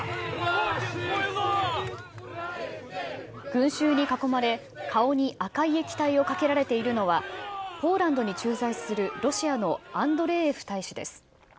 群衆に囲まれ、顔に赤い液体をかけられているのは、ポーランドに駐在するロシアのアンドレーエフ大使です。